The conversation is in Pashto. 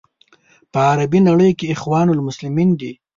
په عربي نړۍ کې اخوان المسلمین دي.